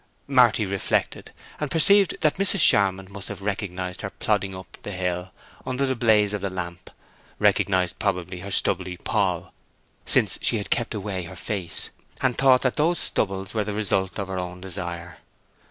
Marty reflected, and perceived that Mrs. Charmond must have recognized her plodding up the hill under the blaze of the lamp; recognized, probably, her stubbly poll (since she had kept away her face), and thought that those stubbles were the result of her own desire.